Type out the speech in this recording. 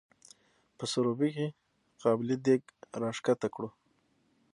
په سروبي کې قابلي دیګ راښکته کړو.